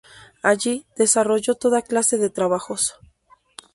Allí desarrolló toda clase de trabajos.